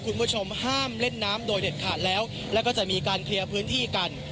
คุณผู้ชมห้ามเล่นน้ำโดยเด็ดขาดแล้วแล้วก็จะมีการเคลียร์พื้นที่กัน